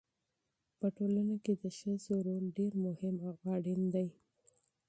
په ټولنه کې د ښځو رول ډېر مهم او اړین دی.